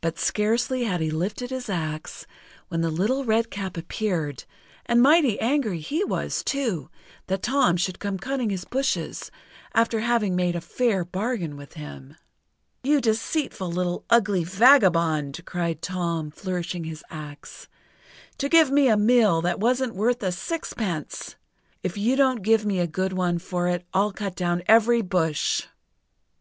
But scarcely had he lifted his axe, when the Little Redcap appeared, and mighty angry he was, too, that Tom should come cutting his bushes, after having made a fair bargain with him. "You deceitful, little, ugly vagabond!" cried Tom, flourishing his axe, "to give me a mill that wasn't worth a sixpence! If you don't give me a good one for it, I'll cut down every bush!"